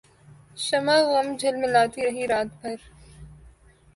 شمع غم جھلملاتی رہی رات بھر